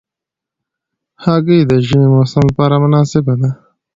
هګۍ د ژمي موسم لپاره مناسبه ده.